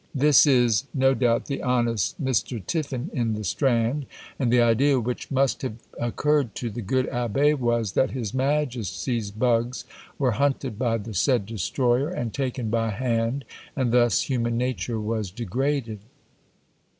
This is, no doubt, the honest Mr. Tiffin, in the Strand; and the idea which must have occurred to the good Abbé was, that his majesty's bugs were hunted by the said destroyer, and taken by hand and thus human nature was degraded!